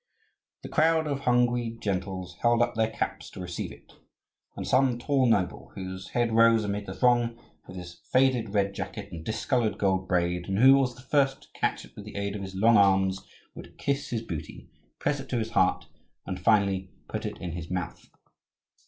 The crowd of hungry gentles held up their caps to receive it; and some tall noble, whose head rose amid the throng, with his faded red jacket and discoloured gold braid, and who was the first to catch it with the aid of his long arms, would kiss his booty, press it to his heart, and finally put it in his mouth.